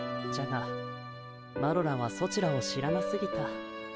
じゃがマロらはソチらを知らなすぎた。